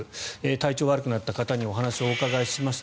体調が悪くなった方にお話をお伺いしました。